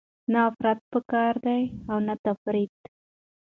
نه افراط پکار دی او نه تفریط.